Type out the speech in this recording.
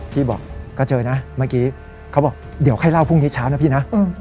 พี่บอกก็เจอน่ะเขาบอกเดี๋ยวข่าวพรุ้งที่เช้านะ